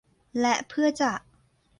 และเพื่อจะ